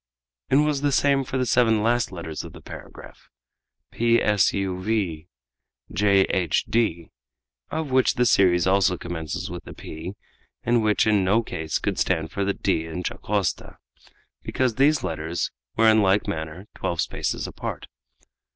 It was the same for the seven last letters of the paragraph, p s u v j h d, of which the series also commences with a p, and which in no case could stand for the d in Dacosta, because these letters were in like manner twelve spaces apart.